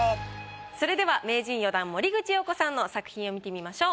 それでは名人４段森口瑤子さんの作品を見てみましょう。